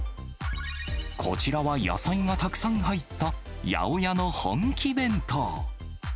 こちらは、野菜がたくさん入った、八百屋の本気弁当。